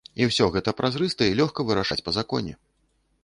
І ўсё гэта празрыста і лёгка вырашаць па законе.